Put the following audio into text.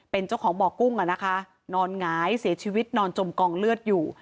เป็นเจ้าของบ่อกุ้งอ่ะนะคะนอนหงายเสียชีวิตนอนจมกองเลือดอยู่